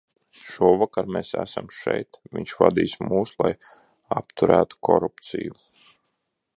Šovakar mēs esam šeit, viņš vadīs mūs, lai apturētu korupciju.